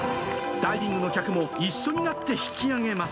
ダイビングの客も一緒になって引き上げます。